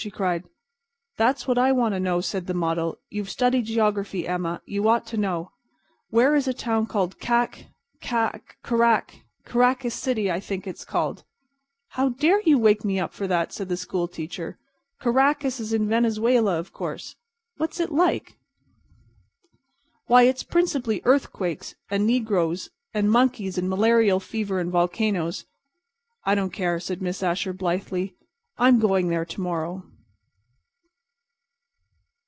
she cried. "That's what I want to know," said the model. "You've studied geography, Emma, and you ought to know. Where is a town called Cac—Cac—Carac—Caracas City, I think, they called it?" "How dare you wake me up for that?" said the school teacher. "Caracas is in Venezuela, of course." "What's it like?" "Why, it's principally earthquakes and negroes and monkeys and malarial fever and volcanoes." "I don't care," said Miss Asher, blithely; "I'm going there to morrow."